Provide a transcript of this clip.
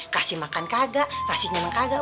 kasih makan kagak kasih nyaman kagak